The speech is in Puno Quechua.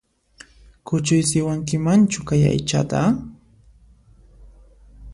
Kuchuysiwankimanchu kay aychata?